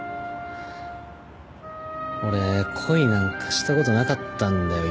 俺恋なんかしたことなかったんだよ